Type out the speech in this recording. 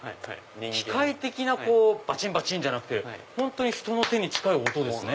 機械的なバチンバチンじゃなくて人の手に近い音ですね。